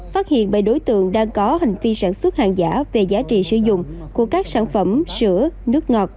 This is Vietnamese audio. phát hiện bảy đối tượng đang có hành vi sản xuất hàng giả về giá trị sử dụng của các sản phẩm sữa nước ngọt